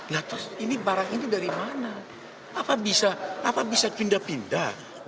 nah terus ini barang ini dari mana apa bisa pindah pindah